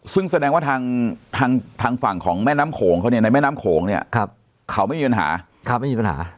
ซึ่งแสดงว่าทางฝั่งของแม่น้ำโขงเขาเนี่ยในแม่น้ำโขงเขาไม่มีปัญหา